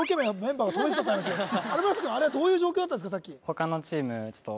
あれはどういう状況だったんですか？